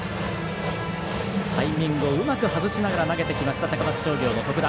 タイミングをうまく外しながら投げてきました高松商業の徳田。